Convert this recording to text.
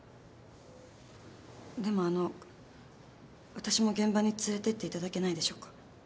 でもあの私も現場に連れてっていただけないでしょうか。